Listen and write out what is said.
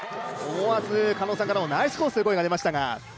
思わず狩野さんからもナイスコースと声が出ましたが。